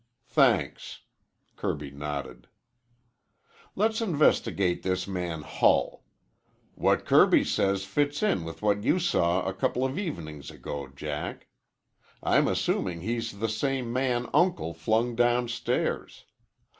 "Thanks," Kirby nodded. "Let's investigate this man Hull. What Kirby says fits in with what you saw a couple of evenings ago, Jack. I'm assuming he's the same man Uncle flung downstairs.